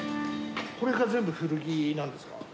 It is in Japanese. これが全部古着なんですか？